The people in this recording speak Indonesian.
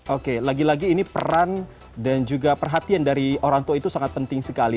oke lagi lagi ini peran dan juga perhatian dari orang tua itu sangat penting sekali